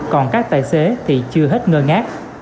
còn các tài xế thì chưa hết ngơ ngác